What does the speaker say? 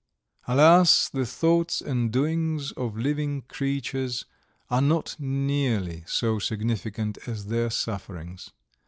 Alas, the thoughts and doings of living creatures are not nearly so significant as their sufferings!